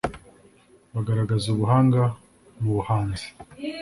bagaragaza ubuhanga mu buhanzi